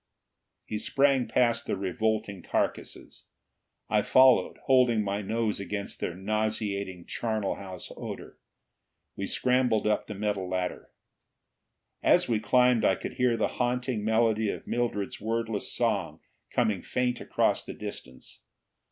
He sprang past the revolting carcasses. I followed, holding my nose against their nauseating, charnel house odor. We scrambled up the metal ladder. As we climbed, I could hear the haunting melody of Mildred's wordless song coming faint across the distance.